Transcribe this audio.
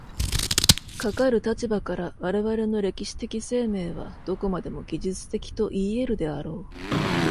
かかる立場から、我々の歴史的生命はどこまでも技術的といい得るであろう。